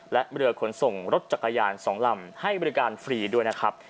และเรือขนส่งรถจักรยาน๒ลำให้บริการฟรีด้วยนะครับ